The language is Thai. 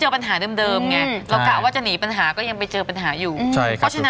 สาวนักศัตริย์ไหน